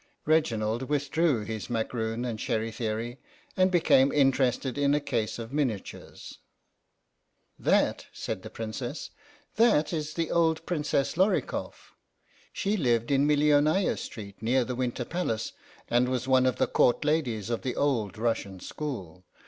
Reginald withdrew his macaroon and sherry theory, and became interested in a case of miniatures. " That ?" said the Princess ;" that is the old Princess Lorikoff. She lived in Millionaya Street, near the Winter Palace, and was one of the Court ladies of the old Russian school.